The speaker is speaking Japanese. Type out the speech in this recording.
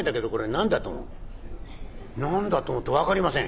「何だと思うって分かりません」。